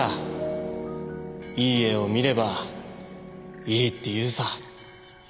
いい絵を見ればいいって言うさ。